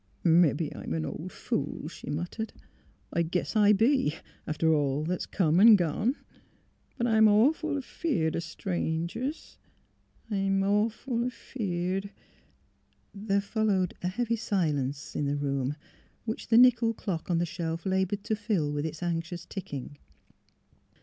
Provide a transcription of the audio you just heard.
'' Mebbe I'm an old fool," she muttered. '' I guess I be — after all that's come an' gone. But I'm awful feared o' strangers. .. .I'm awful — feared. ..." There followed a heavy silence in the room which the nickel clock on the shelf laboured to fill with its anxious ticking.